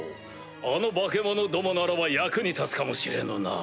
あの化け物どもならば役に立つかもしれぬな。